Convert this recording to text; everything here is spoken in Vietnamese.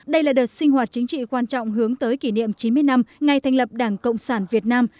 đây là đợt sinh hoạt chính trị quan trọng hướng tới kỷ niệm chín mươi năm ngày thành lập đảng cộng sản việt nam